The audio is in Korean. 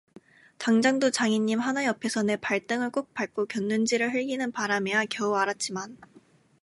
당장두 장인님, 하나 옆에서 내 발등을 꾹 밟고 곁눈질을 흘기는 바람에야 겨우 알았지만……